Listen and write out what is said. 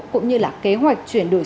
cũng như là kế hoạch chuyển đổi